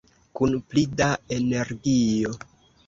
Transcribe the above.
Kun pli da energio!